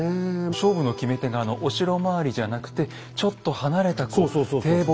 勝負の決め手がお城周りじゃなくてちょっと離れた堤防。